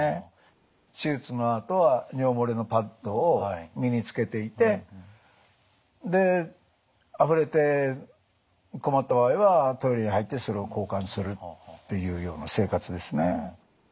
手術のあとは尿漏れのパッドを身につけていてであふれて困った場合はトイレに入ってそれを交換するっていうような生活ですね。